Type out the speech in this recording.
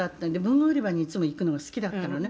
「文具売り場にいつも行くのが好きだったのね」